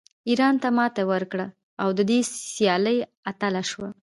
ایران ته ماتې ورکړه او د دې سیالۍ اتله شوه